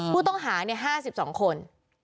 ผู้ต้องหาเนี่ย๕๒คน